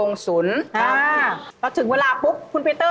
แม่นจ้าว